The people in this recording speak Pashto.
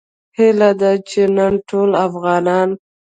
هیله ده چې نن ټول افغانان